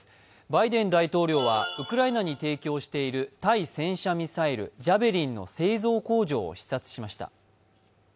バイデン大統領はウクライナに提供している対戦車ミサイル、ジャベリンの製造工場を視察しました。